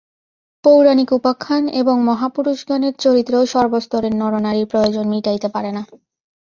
পৌরাণিক উপাখ্যান এবং মহাপুরুষগণের চরিত্রও সর্বস্তরের নরনারীর প্রয়োজন মিটাইতে পারে না।